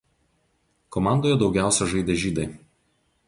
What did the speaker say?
Komandoje daugiausia žaidė žydai.